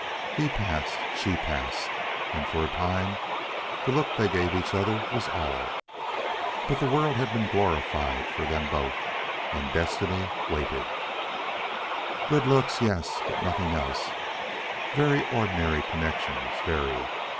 He passed, she passed, and for the time the look they gave each other was all; but the world had been glorified for them both and Destiny waited. "Good looks? Yes; but nothing else; very ordinary connections, very.